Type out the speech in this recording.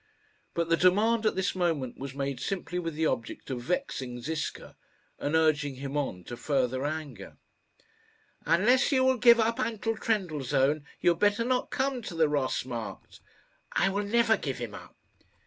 But the demand at this moment was made simply with the object of vexing Ziska, and urging him on to further anger. "Unless you will give up Anton Trendellsohn, you had better not come to the Ross Markt." "I will never give him up."